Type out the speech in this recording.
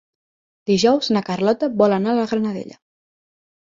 Dijous na Carlota vol anar a la Granadella.